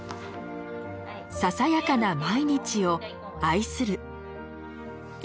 ささやかな毎日を愛する。